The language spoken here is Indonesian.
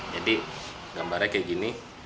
jadi gambarnya kayak gini